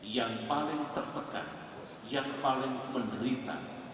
yang paling tertekan yang paling menderita